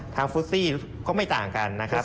ฟุตซี่ก็ไม่ต่างกันนะครับ